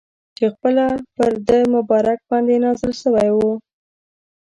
چي پخپله پر ده مبارک باندي نازل سوی وو.